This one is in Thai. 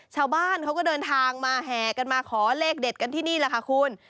ชาวบ้านเขาก็เดินทางมาแห่กันมาขอเลขเด็ดกันที่นี่แหละค่ะคุณ